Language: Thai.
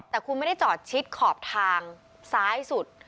แต่คุณไม่ได้จอดชิดขอบทางซ้ายสุด